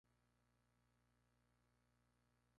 Ha enseñado animación en la School of Visual Arts de Nueva York.